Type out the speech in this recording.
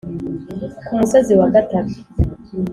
Ku musozi wa gatatu,